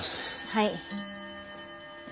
はい。